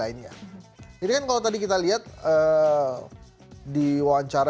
anda nggak sudah melakukannya